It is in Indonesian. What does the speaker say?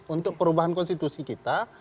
untuk perubahan konstitusi kita